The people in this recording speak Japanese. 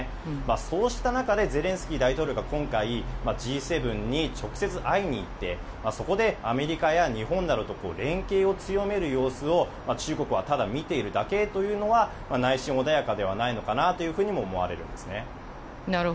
そうした中でゼレンスキー大統領が今回、Ｇ７に直接会いに行ってそこでアメリカや日本などと連携を強める様子を中国はただ見ているだけというのは内心穏やかではないのかなというふうにも思われるんですね。